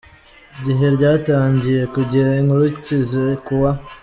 gihe ryatangiye kugira inkurikizi ku wa.